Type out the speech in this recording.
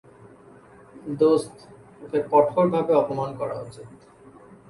দোস্ত, ওকে কঠোরভাবে অপমান করা উচিত।